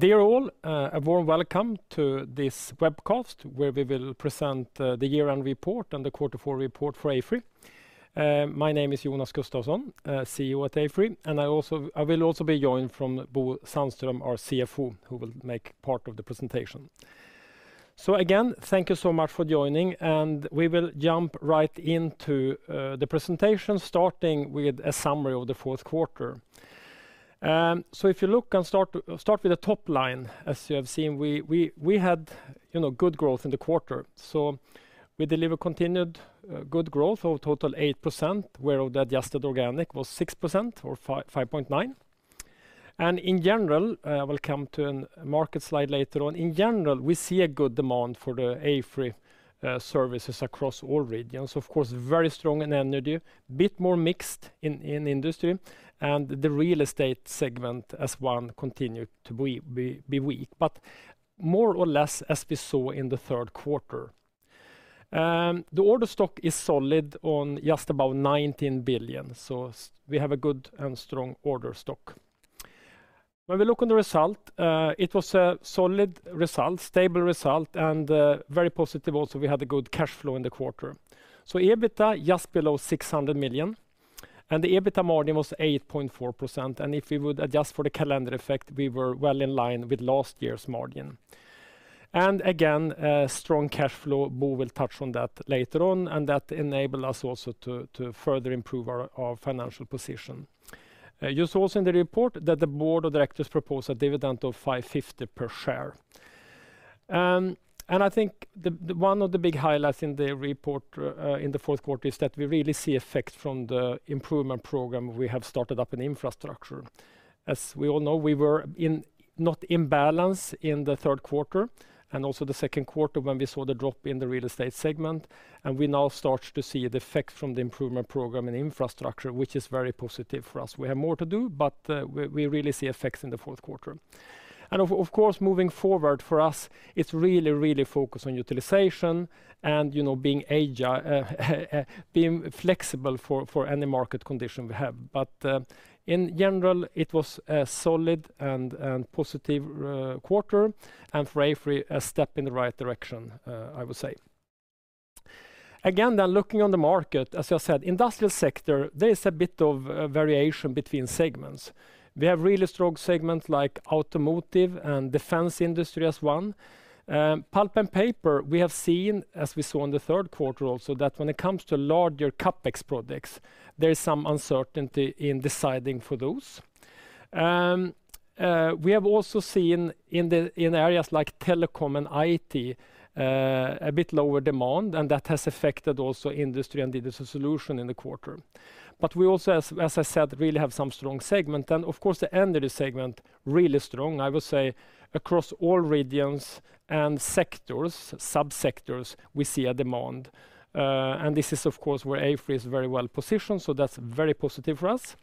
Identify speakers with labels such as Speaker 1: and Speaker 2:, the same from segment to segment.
Speaker 1: Dear all, a warm welcome to this webcast, where we will present the year-end report and the quarter four report for AFRY. My name is Jonas Gustavsson, CEO at AFRY, and I also- I will also be joined from Bo Sandström, our CFO, who will make part of the presentation. So again, thank you so much for joining, and we will jump right into the presentation, starting with a summary of the fourth quarter. So if you look and start with the top line, as you have seen, we had, you know, good growth in the quarter. So we deliver continued good growth of total 8%, where the adjusted organic was 6%, or 5.9%. And in general, we'll come to an market slide later on. In general, we see a good demand for the AFRY services across all regions. Of course, very strong in energy, a bit more mixed in industry, and the real estate segment as one continued to be weak, but more or less as we saw in the third quarter. The order stock is solid at just about 19 billion, so we have a good and strong order stock. When we look on the result, it was a solid result, stable result, and very positive; also, we had a good cash flow in the quarter. So EBITDA just below 600 million, and the EBITDA margin was 8.4%, and if we would adjust for the calendar effect, we were well in line with last year's margin. And again, a strong cash flow. Bo will touch on that later on, and that enable us also to further improve our financial position. You saw also in the report that the board of directors propose a dividend of 5.50 per share. And I think the one of the big highlights in the report in the fourth quarter is that we really see effect from the improvement program we have started up in infrastructure. As we all know, we were not in balance in the third quarter, and also the second quarter, when we saw the drop in the real estate segment, and we now start to see the effect from the improvement program in infrastructure, which is very positive for us. We have more to do, but we really see effects in the fourth quarter. And of course, moving forward, for us, it's really, really focused on utilization and, you know, being agile, being flexible for any market condition we have. But in general, it was a solid and positive quarter, and for AFRY, a step in the right direction, I would say. Again, then looking on the market, as I said, industrial sector, there is a bit of a variation between segments. We have really strong segments like automotive and defense industry as one. Pulp and paper, we have seen, as we saw in the third quarter also, that when it comes to larger CapEx products, there is some uncertainty in deciding for those. We have also seen in areas like telecom and IT, a ISbit lower demand, and that has affected also Industry & Digital solution in the quarter. But we also, as I said, really have some strong segment, and of course, the energy segment, really strong. I will say across all regions and sectors, sub-sectors, we see a demand, and this is, of course, where AFRY is very well positioned, so that's very positive for us.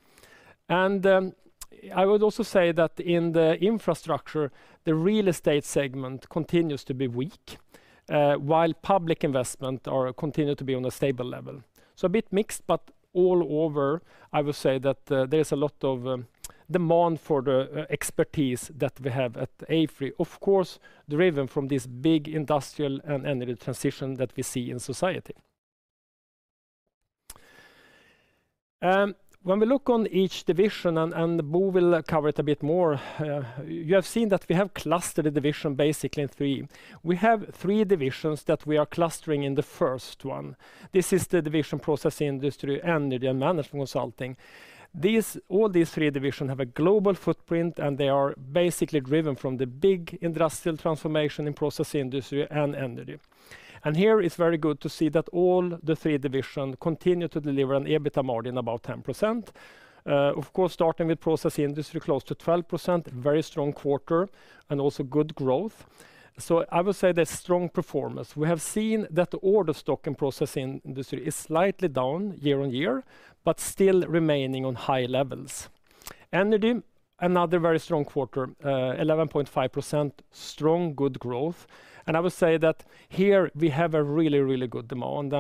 Speaker 1: And, I would also say that in the infrastructure, the real estate segment continues to be weak, while public investment are continue to be on a stable level. So a bit mixed, but all over, I will say that, there is a lot of, demand for the, expertise that we have at AFRY, ofcourse, driven from this big industrial and energy transition that we see in society. When we look on each division, and Bo will cover it a bit more, you have seen that we have clustered the division, basically in three. We have three divisions that we are clustering in the first one. This is the division process industry, energy, and management consulting. These, all these three divisions have a global footprint, and they are basically driven from the big industrial transformation in process industry and energy. And here, it's very good to see that all the three division continue to deliver an EBITDA margin, about 10%. Of course, starting with process industry, close to 12%, very strong quarter, and also good growth. So I would say that's strong performance. We have seen that the order stock and processing industry is slightly down year-on-year, but still remaining on high levels. Energy, another very strong quarter, 11.5%. Strong, good growth, and I would say that here we have a really, really good demand.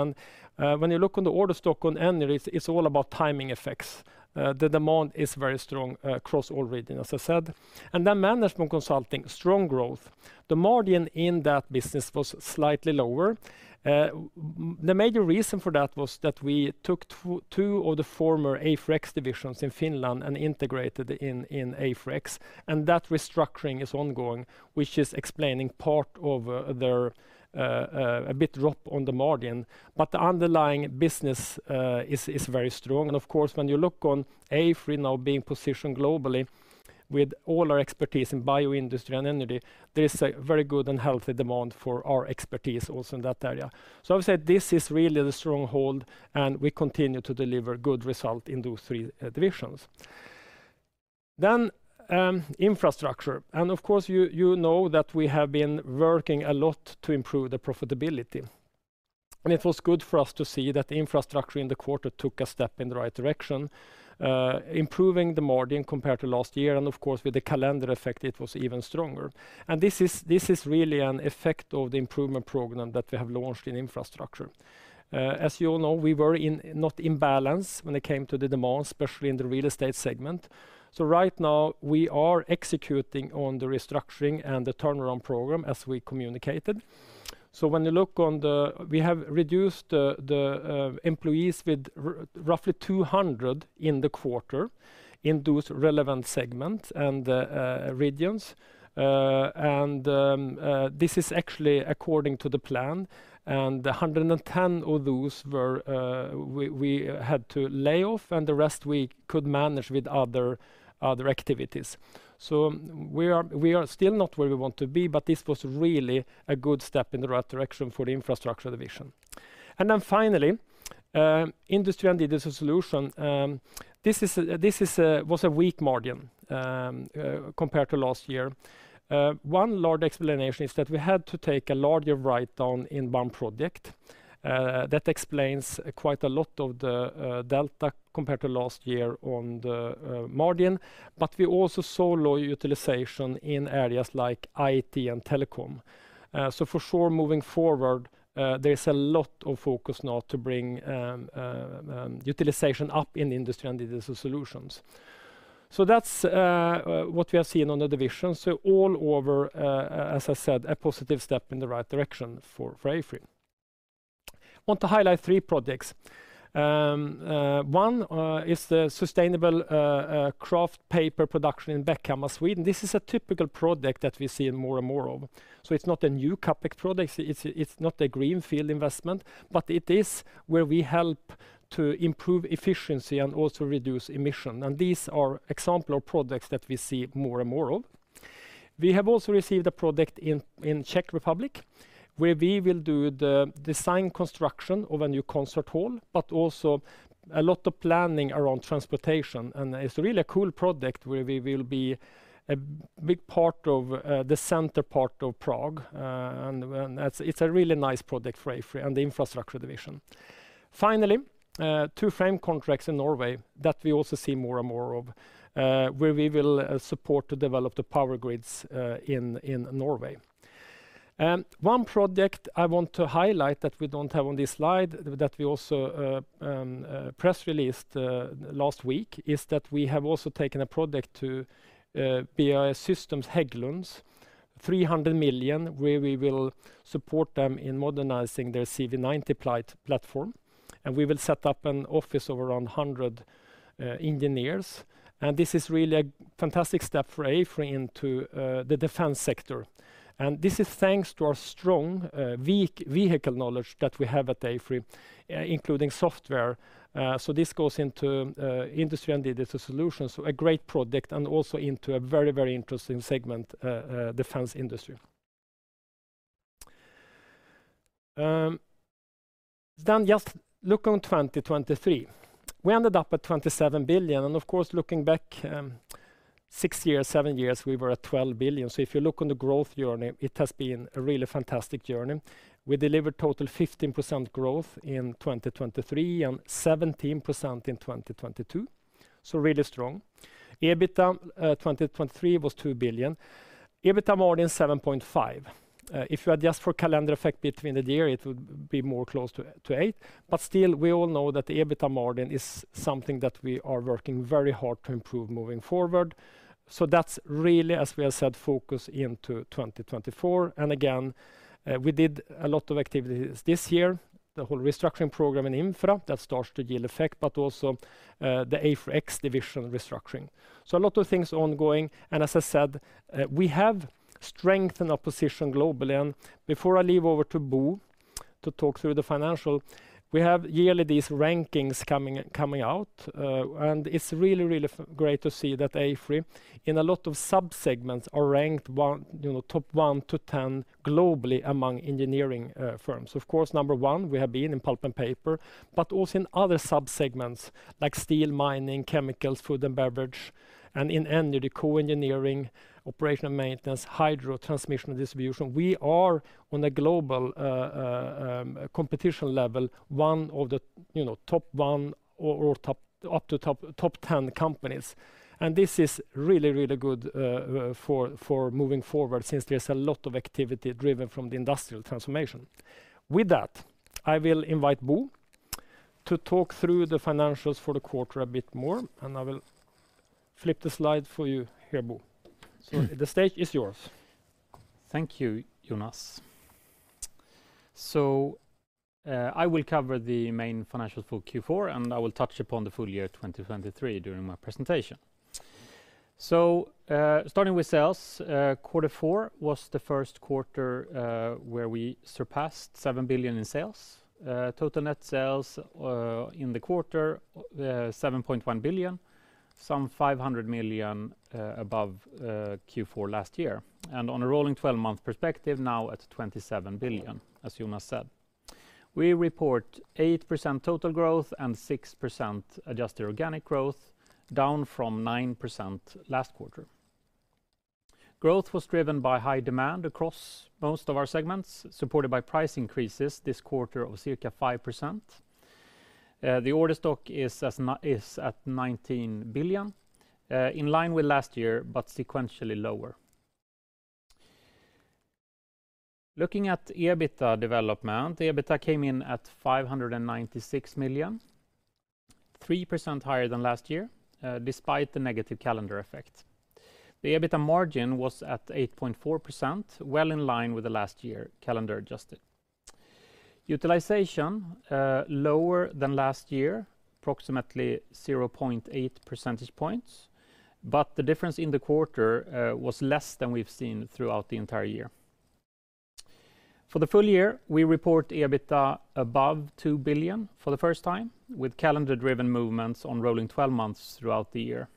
Speaker 1: When you look on the order stock on energy, it's all about timing effects. The demand is very strong, across all region, as I said, and the management consulting, strong growth. The margin in that business was slightly lower. The major reason for that was that we took two of the former AFRY divisions in Finland and integrated in AFRY, and that restructuring is ongoing, which is explaining part of their a bit drop on the margin. But the underlying business is very strong. And of course, when you look on AFRY now being positioned globally with all our expertise in bioindustry and energy, there is a very good and healthy demand for our expertise also in that area. So I would say this is really the stronghold, and we continue to deliver good result in those three divisions. Then, infrastructure, and of course, you know that we have been working a lot to improve the profitability. And it was good for us to see that infrastructure in the quarter took a step in the right direction, improving the margin compared to last year, and of course, with the calendar effect, it was even stronger. And this is really an effect of the improvement program that we have launched in infrastructure. As you all know, we were not in balance when it came to the demand, especially in the real estate segment. So right now, we are executing on the restructuring and the turnaround program as we communicated. So when you look on the, we have reduced the employees with roughly 200 in the quarter in those relevant segments and regions. And this is actually according to the plan, and 110 of those were we had to lay off, and the rest we could manage with other activities. So we are still not where we want to be, but this was really a good step in the right direction for the infrastructure division. And then finally, Industry & Digital Solution. This was a weak margin compared to last year. One large explanation is that we had to take a larger write-down in one project. That explains quite a lot of the delta compared to last year on the margin. But we also saw low utilization in areas like IT and telecom. So for sure, moving forward, there is a lot of focus now to bring utilization up in Industry & Digital Solutions. So that's what we have seen on the division. So all over, as I said, a positive step in the right direction for AFRY. I want to highlight three projects. One is the sustainable kraft paper production in Beckham Sweden. This is a typical project that we see more and more of. So it's not a new CapEx project, it's not a greenfield investment, but it is where we help to improve efficiency and also reduce emission. And these are example of projects that we see more and more of. We have also received a project in Czech Republic, where we will do the design construction of a new concert hall, but also a lot of planning around transportation. And it's really a cool project where we will be a big part of the center part of Prague, and it's a really nice project for AFRY and the infrastructure division. Finally, two frame contracts in Norway that we also see more and more of, where we will support to develop the power grids in Norway. One project I want to highlight that we don't have on this slide, that we also press released last week, is that we have also taken a projects to BAE Systems Hägglunds, 300 million, where we will support them in modernizing their CV90 platform, and we will set up an office of around 100 engineers. This is really a fantastic step for AFRY into the defense sector. This is thanks to our strong vehicle knowledge that we have at AFRY, including software. So this goes into industry and digital solutions. So a great project, and also into a very, very interesting segment, defense industry. Then just look on 2023. We ended up at 27 billion, and of course, looking back, six years, seven years, we were at 12 billion. So if you look on the growth journey, it has been a really fantastic journey. We delivered total 15% growth in 2023, and 17% in 2022, so really strong. EBITDA, 2023, was 2 billion. EBITDA margin, 7.5%. If you adjust for calendar effect between the year, it would be more close to, to 8%. But still, we all know that the EBITDA margin is something that we are working very hard to improve moving forward. So that's really, as we have said, focus into 2024. And again, we did a lot of activities this year, the whole restructuring program in Infra, that starts to yield effect, but also, the AFRY X division restructuring. A lot of things ongoing, and as I said, we have strengthened our position globally. Before I leave over to Bo to talk through the financial, we have yearly these rankings coming out, and it's really, really great to see that AFRY, in a lot of sub-segments, are ranked one, you know, top 1-10 globally among engineering firms. Of course, number one, we have been in pulp and paper, but also in other sub-segments, like steel mining, chemicals, food and beverage, and in energy, co-engineering, operational maintenance, hydro, transmission, and distribution. We are on a global competition level, one of the, you know, top one or top up to top 10 companies. This is really, really good for moving forward, since there's a lot of activity driven from the industrial transformation. With that, I will invite Bo to talk through the financials for the quarter a bit more, and I will flip the slide for you here, Bo. The stage is yours.
Speaker 2: Thank you, Jonas. So, I will cover the main financials for Q4, and I will touch upon the full year 2023 during my presentation. So, starting with sales, quarter four was the first quarter where we surpassed 7 billion in sales. Total net sales in the quarter, 7.1 billion, some 500 million above Q4 last year, and on a rolling 12-month perspective, now at 27 billion, as Jonas said. We report 8% total growth and 6% adjusted organic growth, down from 9% last quarter. Growth was driven by high demand across most of our segments, supported by price increases this quarter of circa 5%. The order stock is at 19 billion, in line with last year, but sequentially lower. Looking at EBITDA development, the EBITDA came in at 596 million, 3% higher than last year, despite the negative calendar effect. The EBITDA margin was at 8.4%, well in line with the last year, calendar adjusted. Utilization, lower than last year, approximately 0.8 percentage points, but the difference in the quarter, was less than we've seen throughout the entire year. For the full year, we report EBITDA above 2 billion for the first time, with calendar-driven movements on rolling 12 months throughout the year.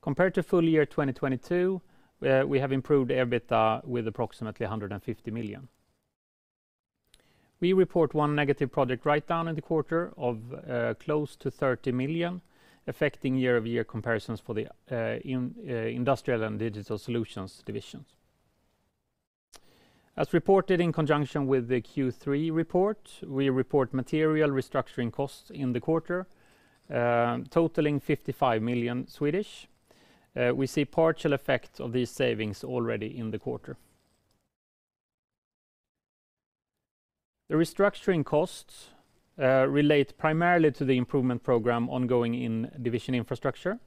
Speaker 2: Compared to full year 2022, we have improved EBITDA with approximately 150 million. We report one negative project write-down in the quarter of, close to 30 million, affecting year-over-year comparisons for the industrial and digital solutions divisions. As reported in conjunction with the Q3 report, we report material restructuring costs in the quarter, totaling 55 million. We see partial effects of these savings already in the quarter. The restructuring costs relate primarily to the improvement program ongoing in division infrastructure.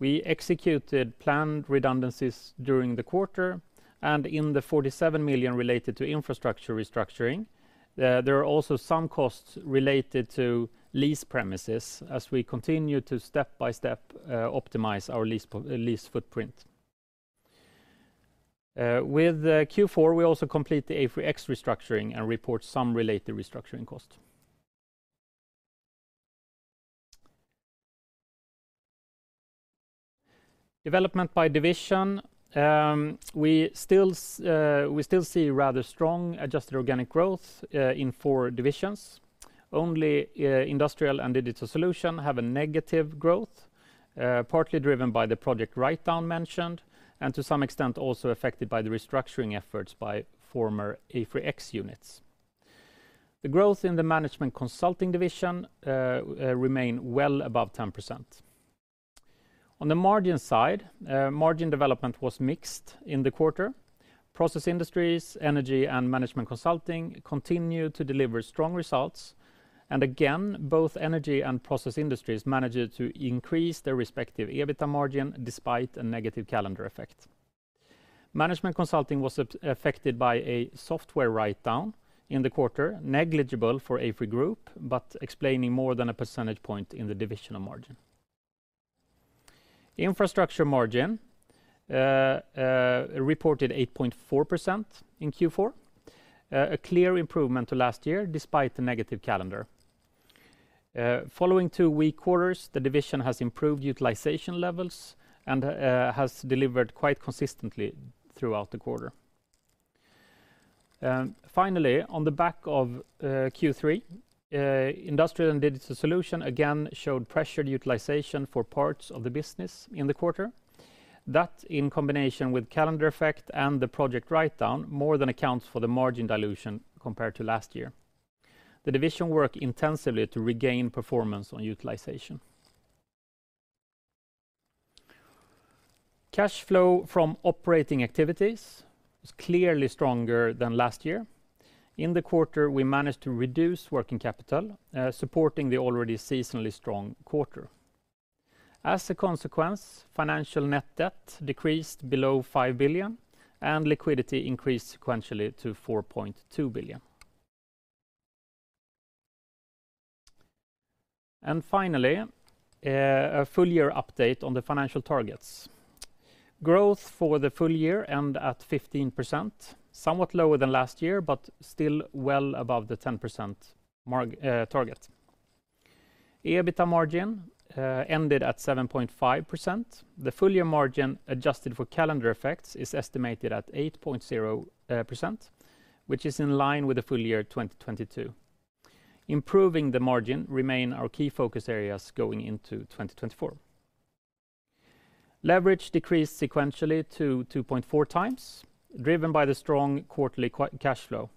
Speaker 2: We executed planned redundancies during the quarter, and in the 47 million related to infrastructure restructuring, there are also some costs related to lease premises as we continue to step-by-step optimize our lease footprint. With Q4, we also complete the AFRY X restructuring and report some related restructuring cost. Development by division, we still see rather strong adjusted organic growth in four divisions. Only, industrial and digital solution have a negative growth, partly driven by the project write-down mentioned, and to some extent, also affected by the restructuring efforts by former AFRY X units. The growth in the management consulting division, remain well above 10%. On the margin side, margin development was mixed in the quarter. Process industries, energy, and management consulting continued to deliver strong results. And again, both energy and process industries managed to increase their respective EBITDA margin despite a negative calendar effect. Management consulting was affected by a software write-down in the quarter, negligible for AFRY group, but explaining more than a percentage point in the divisional margin. Infrastructure margin, reported 8.4% in Q4, a clear improvement to last year, despite the negative calendar. Following two weak quarters, the division has improved utilization levels and has delivered quite consistently throughout the quarter. Finally, on the back of Q3, industrial and digital solutions again showed pressured utilization for parts of the business in the quarter. That, in combination with calendar effect and the project write-down, more than accounts for the margin dilution compared to last year. The division worked intensively to regain performance on utilization. Cash flow from operating activities was clearly stronger than last year. In the quarter, we managed to reduce working capital, supporting the already seasonally strong quarter. As a consequence, financial net debt decreased below 5 billion, and liquidity increased sequentially to SEK 4.2 billion. Finally, a full year update on the financial targets. Growth for the full year ended at 15%, somewhat lower than last year, but still well above the 10% margin target. EBITDA margin ended at 7.5%. The full year margin, adjusted for calendar effects, is estimated at 8.0%, which is in line with the full year 2022. Improving the margin remain our key focus areas going into 2024. Leverage decreased sequentially to 2.4x, driven by the strong quarterly cash flow.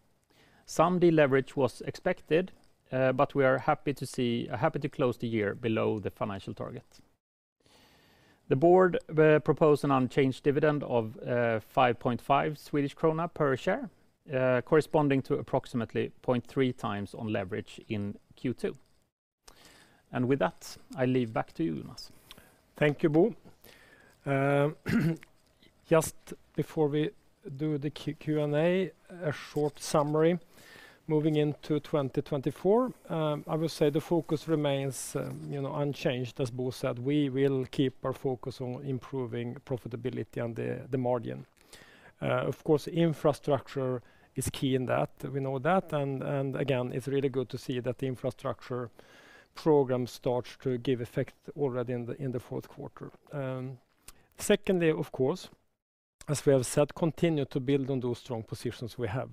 Speaker 2: Some deleverage was expected, but we are happy to see happy to close the year below the financial target. The board proposed an unchanged dividend of 5.50 Swedish krona per share, corresponding to approximately 0.3x on leverage in Q2. And with that, I leave back to you, Jonas.
Speaker 1: Thank you, Bo. Just before we do the Q&A, a short summary. Moving into 2024, I will say the focus remains, you know, unchanged, as Bo said. We will keep our focus on improving profitability and the margin. Of course, infrastructure is key in that, we know that, and again, it's really good to see that the infrastructure program starts to give effect already in the fourth quarter. Secondly, of course, as we have said, continue to build on those strong positions we have.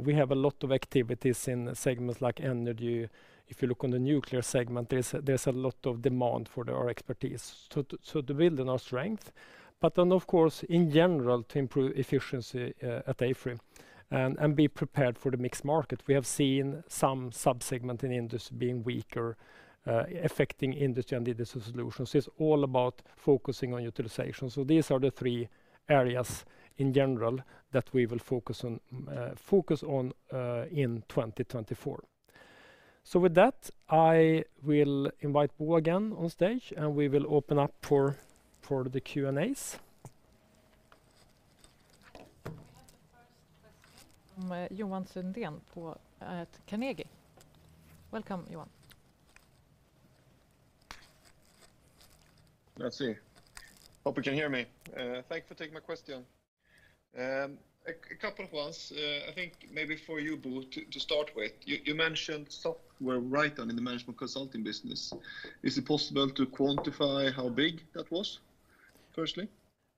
Speaker 1: We have a lot of activities in segments like energy. If you look on the nuclear segment, there's a lot of demand for our expertise. So to build on our strength, but then of course, in general, to improve efficiency at AFRY and be prepared for the mixed market. We have seen some sub-segment in industry being weaker, affecting industry and digital solutions. It's all about focusing on utilization. So these are the three areas in general that we will focus on in 2024. So with that, I will invite Bo again on stage, and we will open up for the Q&A's.
Speaker 3: We have the first question, Johan Sundén at Carnegie. Welcome, Johan.
Speaker 4: Let's see. Hope you can hear me. Thank you for taking my question. A couple of ones, I think maybe for you, Bo, to start with. You mentioned software write-down in the management consulting business. Is it possible to quantify how big that was, firstly?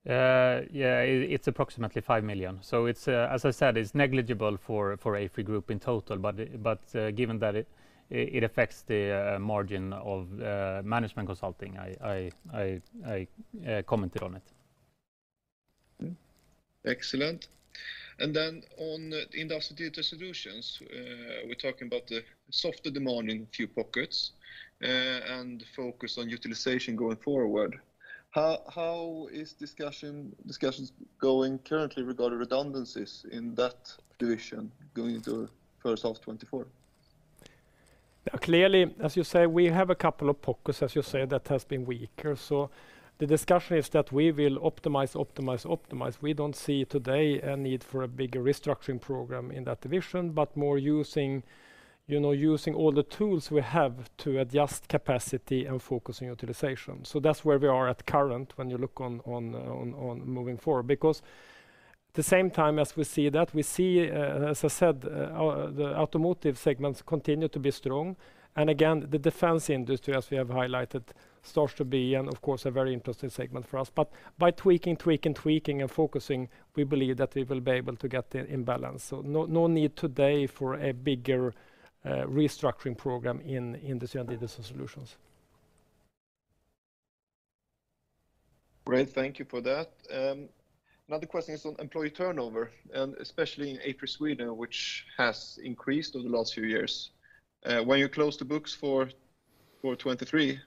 Speaker 2: Yeah, it's approximately 5 million. So it's, as I said, it's negligible for AFRY Group in total, but given that it affects the margin of management consulting, I commented on it.
Speaker 4: Excellent. And then on industry digital solutions, we're talking about the softer demand in a few pockets, and focus on utilization going forward. How are discussions going currently regarding redundancies in that division going into first half 2024?
Speaker 1: Clearly, as you say, we have a couple of pockets, as you say, that has been weaker. So the discussion is that we will optimize, optimize, optimize. We don't see today a need for a bigger restructuring program in that division, but more using, you know, using all the tools we have to adjust capacity and focus on utilization. So that's where we are at current when you look on moving forward. Because the same time as we see that, we see, as I said, the automotive segments continue to be strong. And again, the defense industry, as we have highlighted, starts to be, and of course, a very interesting segment for us. But by tweaking, tweaking, tweaking, and focusing, we believe that we will be able to get the imbalance. No, no need today for a bigger restructuring program in Industrial and Digital Solutions.
Speaker 4: Great, thank you for that. Another question is on employee turnover, and especially in AFRY Sweden, which has increased over the last few years. When you close the books for 2023,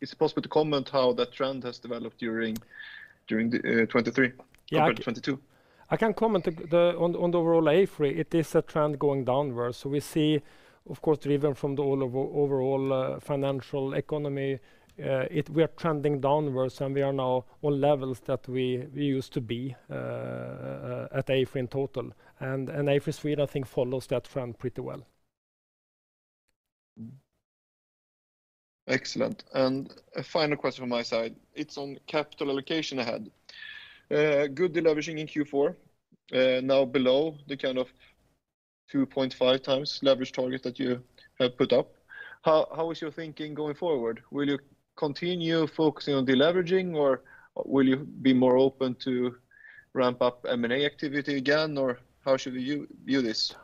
Speaker 4: is it possible to comment how that trend has developed during the 2023-
Speaker 1: Yeah...
Speaker 4: compared to 2022?
Speaker 1: I can comment on the overall AFRY, it is a trend going downwards. So we see, of course, driven from the all over overall financial economy, we are trending downwards, and we are now on levels that we, we used to be at AFRY in total. And, AFRY Sweden, I think, follows that trend pretty well.
Speaker 4: Excellent. A final question from my side, it's on capital allocation ahead. Good deleveraging in Q4, now below the kind of 2.5x leverage target that you have put up. How is your thinking going forward? Will you continue focusing on deleveraging, or will you be more open to ramp up M&A activity again, or how should we view this?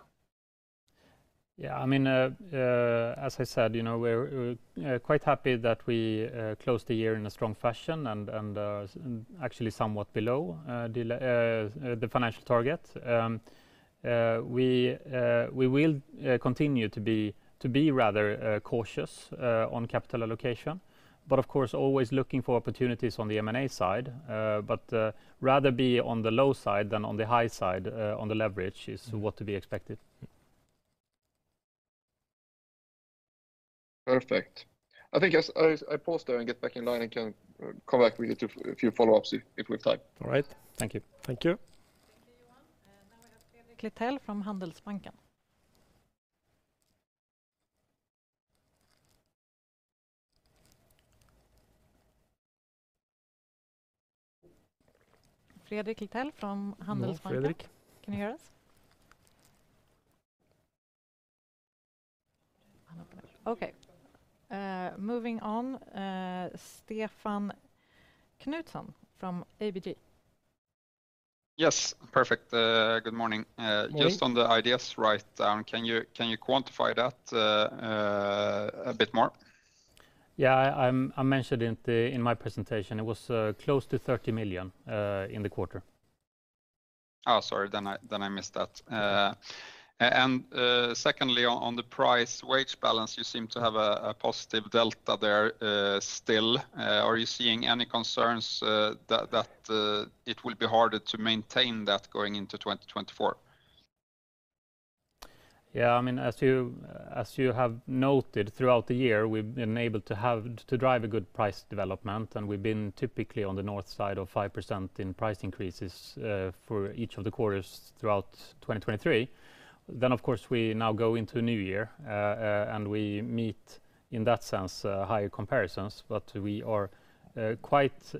Speaker 2: Yeah, I mean, as I said, you know, we're quite happy that we closed the year in a strong fashion and actually somewhat below the financial target. We will continue to be rather cautious on capital allocation, but of course, always looking for opportunities on the M&A side, but rather be on the low side than on the high side on the leverage is what to be expected.
Speaker 4: Perfect. I think, as I pause there and get back in line and can come back with a few follow-ups if we have time.
Speaker 2: All right. Thank you.
Speaker 1: Thank you.
Speaker 3: Now we have Fredrik Lithell from Handelsbanken. Fredrik Lithell from Handelsbanken.
Speaker 1: No Fredrik?
Speaker 3: Can you hear us? I'm opening up. Okay, moving on, Stefan Knutsson from ABG.
Speaker 5: Yes, perfect. Good morning.
Speaker 2: Morning.
Speaker 5: Just on the IDS write-down, can you, can you quantify that a bit more?
Speaker 2: Yeah, I mentioned in my presentation, it was close to 30 million in the quarter.
Speaker 5: Oh, sorry, then I missed that. And secondly, on the price wage balance, you seem to have a positive delta there still. Are you seeing any concerns that it will be harder to maintain that going into 2024?
Speaker 1: Yeah, I mean, as you, as you have noted throughout the year, we've been able to have, to drive a good price development, and we've been typically on the north side of 5% in price increases for each of the quarters throughout 2023. Then, of course, we now go into a new year, and we meet, in that sense, higher comparisons. But we are quite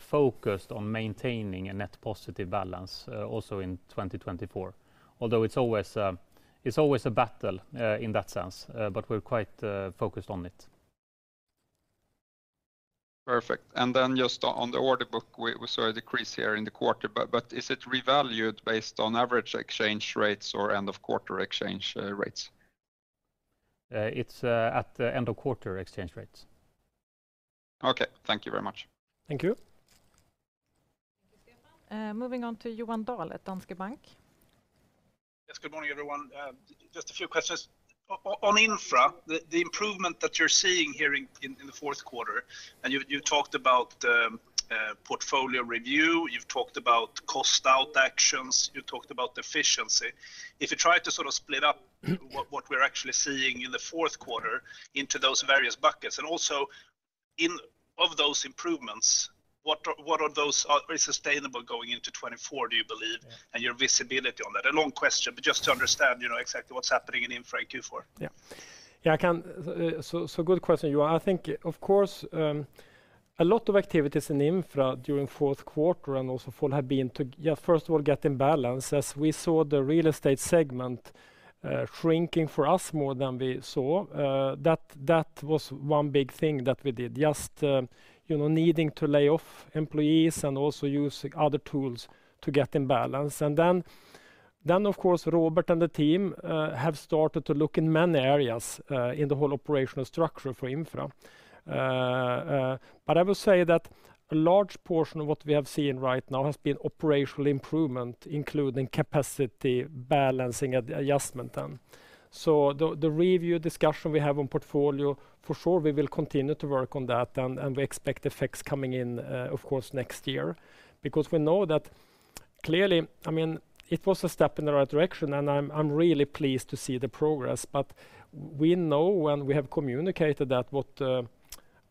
Speaker 1: focused on maintaining a net positive balance also in 2024. Although it's always, it's always a battle in that sense, but we're quite focused on it.
Speaker 5: Perfect. And then just on the order book, we saw a decrease here in the quarter, but is it revalued based on average exchange rates or end-of-quarter exchange rates?
Speaker 1: It's at the end of quarter exchange rates.
Speaker 5: Okay. Thank you very much.
Speaker 1: Thank you.
Speaker 3: Thank you, Stefan. Moving on to Johan Dahl at Danske Bank.
Speaker 6: Yes, good morning, everyone. Just a few questions. On Infra, the improvement that you're seeing here in the fourth quarter, and you've talked about portfolio review, you've talked about cost out actions, you talked about efficiency. If you try to sort of split up-
Speaker 1: Mm-hmm...
Speaker 6: what we're actually seeing in the fourth quarter into those various buckets, and also in... of those improvements, what are, what are those are sustainable going into 2024, do you believe, and your visibility on that? A long question, but just to understand, you know, exactly what's happening in Infra Q4.
Speaker 1: Yeah. Yeah, I can. So, so good question, Johan. I think, of course, a lot of activities in Infra during fourth quarter and also fall have been to, yeah, first of all, get in balance. As we saw the real estate segment shrinking for us more than we saw, that, that was one big thing that we did. Just, you know, needing to lay off employees and also use other tools to get in balance. And then, then, of course, Robert and the team have started to look in many areas in the whole operational structure for Infra. But I will say that a large portion of what we have seen right now has been operational improvement, including capacity, balancing, and adjustment then. So the review discussion we have on portfolio, for sure, we will continue to work on that, and we expect effects coming in, of course, next year. Because we know that clearly, I mean, it was a step in the right direction, and I'm really pleased to see the progress. But we know, and we have communicated that what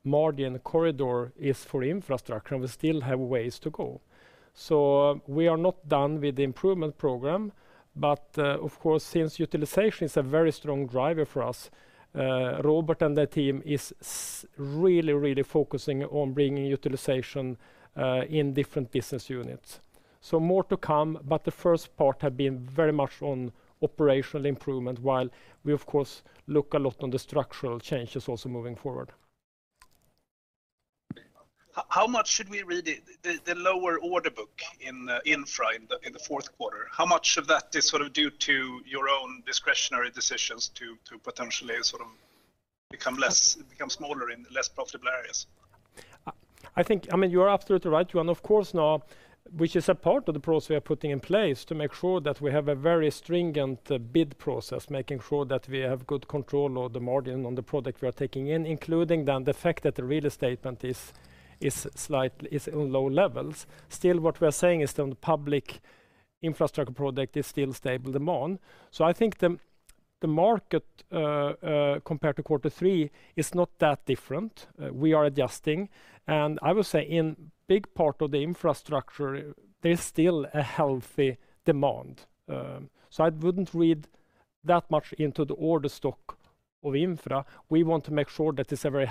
Speaker 1: margin corridor is for infrastructure, and we still have ways to go. So we are not done with the improvement program, but of course, since utilization is a very strong driver for us, Robert and the team is really, really focusing on bringing utilization in different business units. So more to come, but the first part have been very much on operational improvement, while we, of course, look a lot on the structural changes also moving forward.
Speaker 6: How much should we read into the lower order book in Infra in the fourth quarter? How much of that is sort of due to your own discretionary decisions to potentially sort of become less, become smaller in less profitable areas?
Speaker 1: I think, I mean, you are absolutely right, Johan. Of course now, which is a part of the process we are putting in place to make sure that we have a very stringent bid process, making sure that we have good control of the margin on the product we are taking in, including then the fact that the real estate event is slightly on low levels. Still, what we are saying is that on the public infrastructure product is still stable demand. So I think the market compared to quarter three is not that different. We are adjusting, and I will say in big part of the infrastructure, there's still a healthy demand. So I wouldn't read that much into the order stock of Infra. We want to make sure that it's a very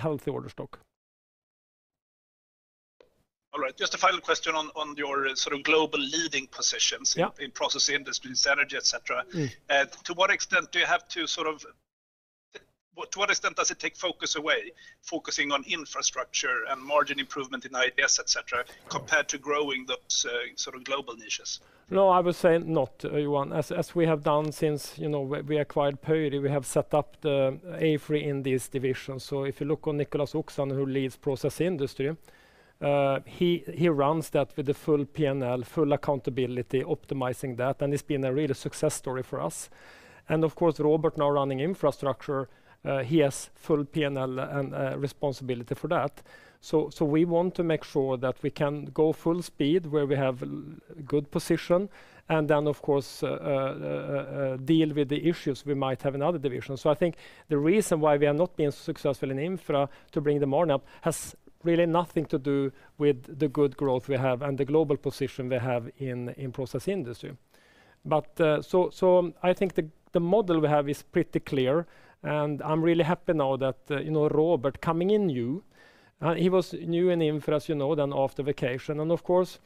Speaker 1: healthy order stock.
Speaker 6: All right. Just a final question on your sort of global leading positions-
Speaker 1: Yeah...
Speaker 6: in process industries, energy, et cetera.
Speaker 1: Mm.
Speaker 6: To what extent does it take focus away, focusing on infrastructure and margin improvement in IDS, et cetera, compared to growing those sort of global niches?
Speaker 1: No, I would say not, Johan. As we have done since, you know, we acquired Pöyry, we have set up the A3 in these divisions. So if you look on Nicholas Oksanen, who leads process industry, he runs that with the full PNL, full accountability, optimizing that, and it's been a real success story for us. And of course, Robert now running infrastructure, he has full PNL and responsibility for that. So we want to make sure that we can go full speed where we have good position, and then, of course, deal with the issues we might have in other divisions. So I think the reason why we are not being successful in Infra to bring them on up, has really nothing to do with the good growth we have and the global position we have in process industry. But, so I think the model we have is pretty clear, and I'm really happy now that, you know, Robert coming in new, he was new in Infra, as you know, then after vacation. And of course,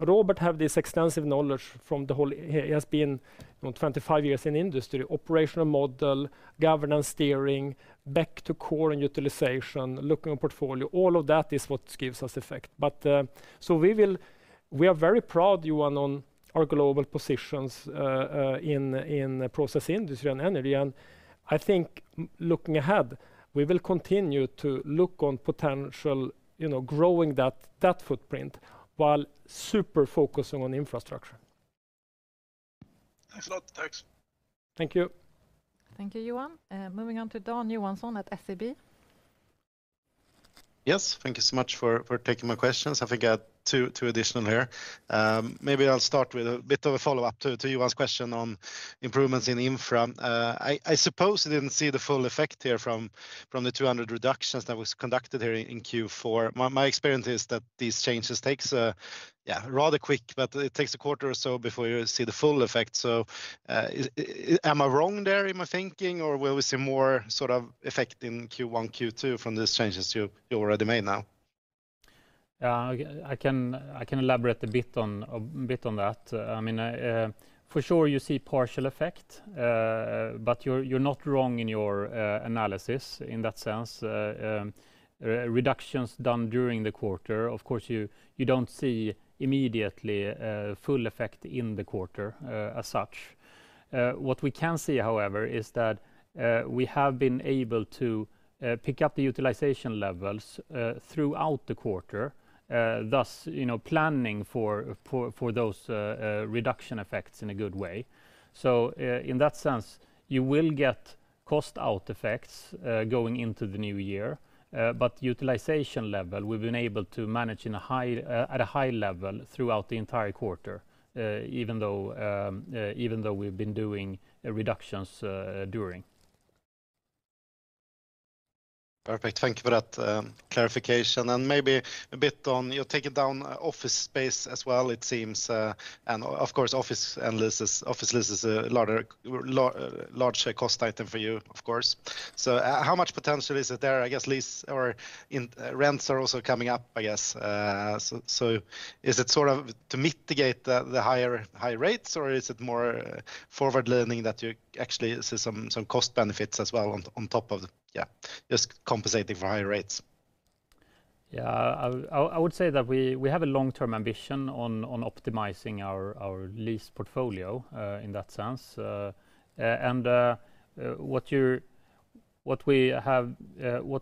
Speaker 1: Robert have this extensive knowledge from the whole. He has been, you know, 25 years in industry, operational model, governance, steering, back to core and utilization, looking on portfolio. All of that is what gives us effect. But, so we are very proud, Johan, on our global positions, in process industry and energy. And I think, looking ahead, we will continue to look on potential, you know, growing that footprint, while super focusing on infrastructure....
Speaker 4: Thanks a lot. Thanks.
Speaker 2: Thank you.
Speaker 3: Thank you, Johan. Moving on to Dan Johansson at SEB.
Speaker 7: Yes, thank you so much for taking my questions. I think I have two additional here. Maybe I'll start with a bit of a follow-up to Johan's question on improvements in infra. I suppose you didn't see the full effect here from the 200 reductions that was conducted here in Q4. My experience is that these changes takes a, yeah, rather quick, but it takes a quarter or so before you see the full effect. Am I wrong there in my thinking, or will we see more sort of effect in Q1, Q2 from the changes you already made now?
Speaker 2: I can elaborate a bit on that. I mean, for sure, you see partial effect, but you're not wrong in your analysis in that sense. Reductions done during the quarter, of course, you don't see immediately full effect in the quarter as such. What we can see, however, is that we have been able to pick up the utilization levels throughout the quarter. Thus, you know, planning for those reduction effects in a good way. So, in that sense, you will get cost out effects going into the new year. But utilization level, we've been able to manage in a high, at a high level throughout the entire quarter, even though, even though we've been doing reductions, during.
Speaker 7: Perfect. Thank you for that, clarification. And maybe a bit on, you're taking down office space as well, it seems. And of course, office leases is a larger cost item for you, of course. So, how much potential is it there? I guess leases or rents are also coming up, I guess. So, is it sort of to mitigate the higher rates, or is it more forward learning that you actually see some cost benefits as well on top of the... Yeah, just compensating for higher rates?
Speaker 2: Yeah, I would say that we have a long-term ambition on optimizing our lease portfolio, in that sense. And what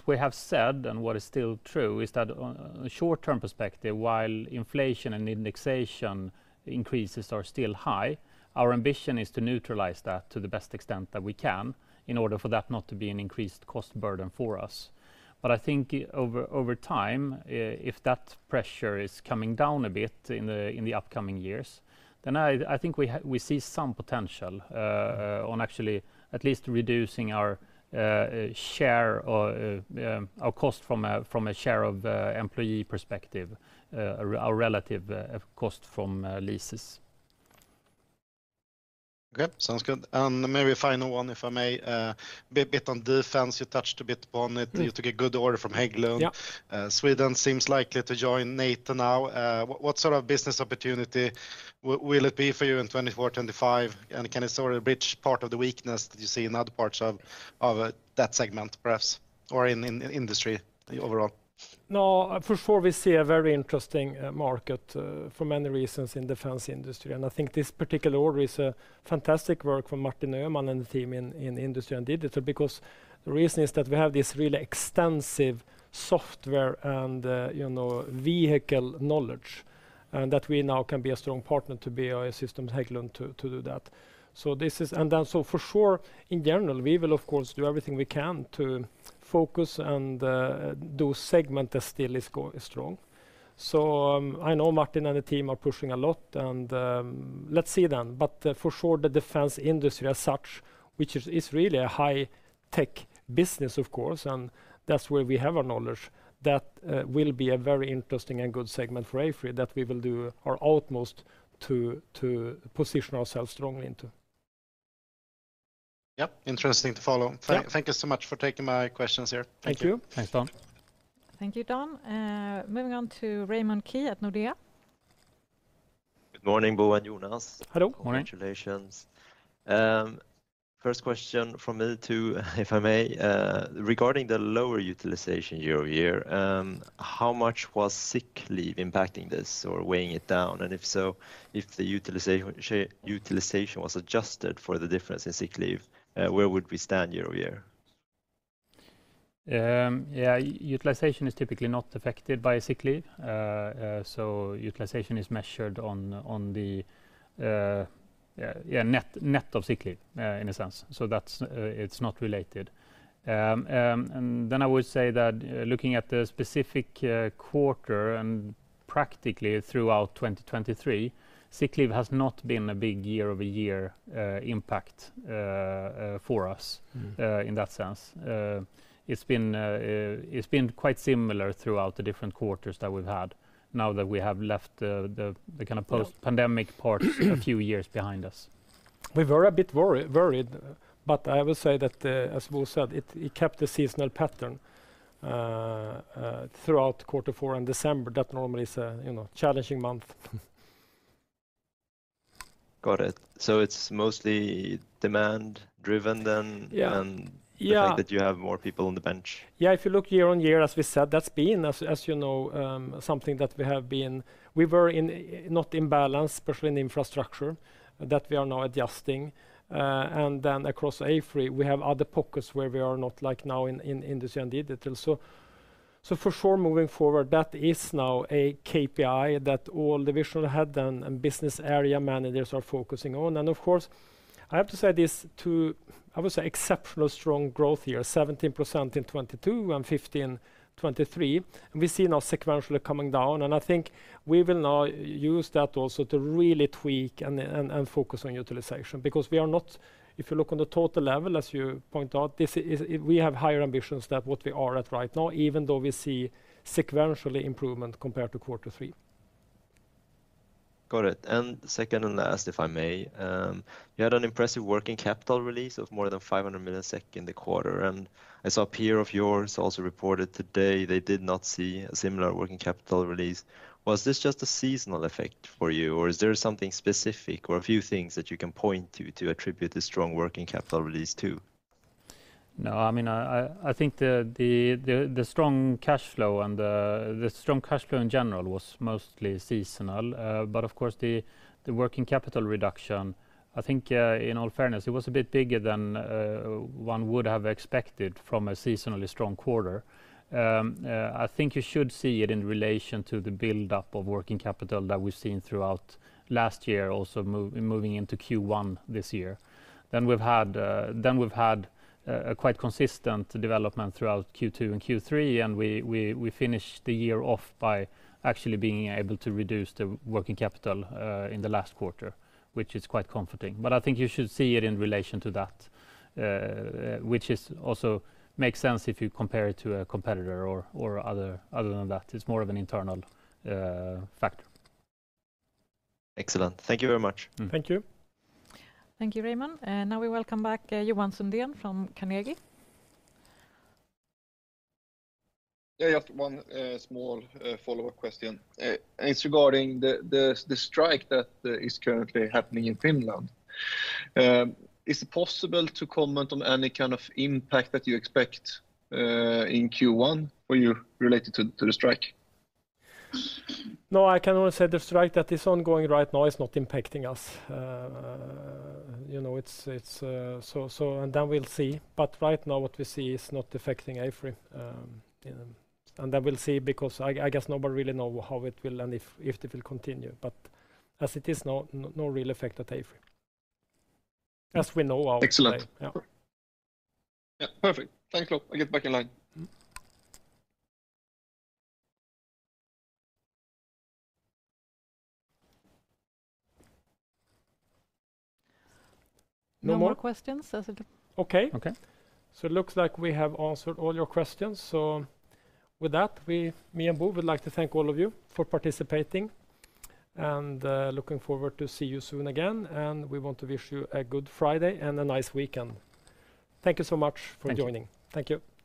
Speaker 2: we have said, and what is still true, is that on a short-term perspective, while inflation and indexation increases are still high, our ambition is to neutralize that to the best extent that we can, in order for that not to be an increased cost burden for us. But I think over time, if that pressure is coming down a bit in the upcoming years, then I think we see some potential on actually at least reducing our share or our cost from a share of employee perspective, our relative cost from leases.
Speaker 7: Okay, sounds good. Maybe a final one, if I may. A bit on defense, you touched a bit on it.
Speaker 2: Mm.
Speaker 7: You took a good order from Hägglunds.
Speaker 2: Yeah.
Speaker 7: Sweden seems likely to join NATO now. What sort of business opportunity will it be for you in 2024, 2025? And can it sort of bridge part of the weakness that you see in other parts of that segment, perhaps, or in industry overall?
Speaker 2: No, for sure, we see a very interesting market for many reasons in defense industry. And I think this particular order is a fantastic work from Martin Öhman and the team in industry and digital. Because the reason is that we have this really extensive software and, you know, vehicle knowledge, and that we now can be a strong partner to BAE Systems Hägglunds to do that. So, for sure, in general, we will, of course, do everything we can to focus on those segments that still is strong. So, I know Martin and the team are pushing a lot, and let's see then. But, for sure, the defense industry as such, which is really a high-tech business, of course, and that's where we have our knowledge, that will be a very interesting and good segment for AFRY, that we will do our utmost to position ourselves strongly into.
Speaker 7: Yep. Interesting to follow.
Speaker 2: Yeah.
Speaker 7: Thank you so much for taking my questions here.
Speaker 2: Thank you. Thanks, Dan.
Speaker 3: Thank you, Dan. Moving on to Raymond Ke at Nordea
Speaker 8: Good morning, Bo and Jonas.
Speaker 2: Hello.
Speaker 1: Morning.
Speaker 8: Congratulations. First question from me, too, if I may, regarding the lower utilization year-over-year, how much was sick leave impacting this or weighing it down? And if so, if the utilization was adjusted for the difference in sick leave, where would we stand year-over-year?
Speaker 2: Yeah, utilization is typically not affected by sick leave. So utilization is measured on the net of sick leave, in a sense. So that's, it's not related. And then I would say that, looking at the specific quarter and practically throughout 2023, sick leave has not been a big year-over-year impact for us-
Speaker 1: Mm-hmm...
Speaker 2: in that sense. It's been quite similar throughout the different quarters that we've had now that we have left the kind of post-pandemic part-... a few years behind us.
Speaker 1: We were a bit worried, worried, but I will say that, as Bo said, it kept the seasonal pattern throughout quarter four and December. That normally is a, you know, challenging month.
Speaker 8: Got it. So it's mostly demand driven then?
Speaker 2: Yeah.
Speaker 8: And-
Speaker 2: Yeah...
Speaker 8: the fact that you have more people on the bench.
Speaker 1: Yeah, if you look year on year, as we said, that's been, as, as you know, something that we have been- we were in, not in balance, especially in infrastructure, that we are now adjusting. And then across AFRY, we have other pockets where we are not, like now in, in industry and digital. So for sure, moving forward, that is now a KPI that all divisional head and, and business area managers are focusing on. And of course, I have to say this to, I would say, exceptional strong growth year, 17% in 2022 and 15%, 2023. We see now sequentially coming down, and I think we will now use that also to really tweak and, and, and focus on utilization. Because we are not, if you look on the total level, as you point out, this is we have higher ambitions than what we are at right now, even though we see sequentially improvement compared to quarter three.
Speaker 8: Got it. And second and last, if I may, you had an impressive working capital release of more than 500 million SEK in the quarter, and I saw a peer of yours also reported today they did not see a similar working capital release. Was this just a seasonal effect for you, or is there something specific or a few things that you can point to, to attribute the strong working capital release to?
Speaker 2: No, I mean, I think the strong cash flow in general was mostly seasonal. But of course, the working capital reduction, I think, in all fairness, it was a bit bigger than one would have expected from a seasonally strong quarter. I think you should see it in relation to the buildup of working capital that we've seen throughout last year, also moving into Q1 this year. Then we've had a quite consistent development throughout Q2 and Q3, and we finished the year off by actually being able to reduce the working capital in the last quarter, which is quite comforting. But I think you should see it in relation to that, which also makes sense if you compare it to a competitor or other than that. It's more of an internal factor.
Speaker 8: Excellent. Thank you very much.
Speaker 1: Thank you.
Speaker 3: Thank you, Raymond. Now we welcome back Johan Sundén from Carnegie.
Speaker 4: Yeah, just one small follow-up question. And it's regarding the strike that is currently happening in Finland. Is it possible to comment on any kind of impact that you expect in Q1 when you relate it to the strike?
Speaker 1: No, I can only say the strike that is ongoing right now is not impacting us. You know, it's, it's so, so, and then we'll see. But right now, what we see is not affecting AFRY, you know, and then we'll see, because I guess nobody really know how it will and if it will continue. But as it is, no, no real effect at AFRY, as we know of.
Speaker 4: Excellent.
Speaker 1: Yeah.
Speaker 4: Yeah, perfect. Thanks a lot. I get back in line.
Speaker 3: No more questions, as it-
Speaker 1: Okay.
Speaker 2: Okay.
Speaker 1: So it looks like we have answered all your questions. So with that, we, me and Bo, would like to thank all of you for participating, and looking forward to see you soon again, and we want to wish you a good Friday and a nice weekend. Thank you so much for joining.
Speaker 2: Thank you.
Speaker 1: Thank you.